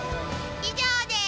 以上です！